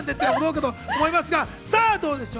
さぁ、どうでしょう？